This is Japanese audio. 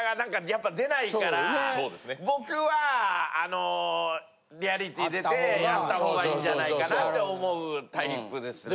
僕はリアリティー出てやったほうがいいんじゃないかなって思うタイプですね。